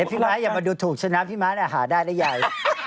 พี่ม้าอย่ามาดูถูกชนะพี่ม้าเนี่ยหาได้ได้ไง